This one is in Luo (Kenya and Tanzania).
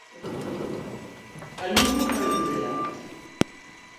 Aluru oidho yath